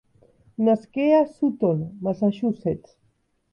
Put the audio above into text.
Nasqué a Sutton, Massachusetts.